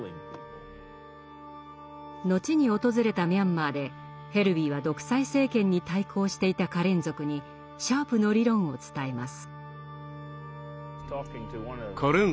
後に訪れたミャンマーでヘルヴィーは独裁政権に対抗していたカレン族にシャープの理論を伝えます。